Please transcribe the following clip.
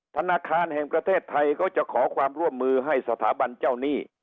ธนาคารแห่งประเทศไทยเขาจะขอความร่วมมือให้สถาบันเจ้าหนี้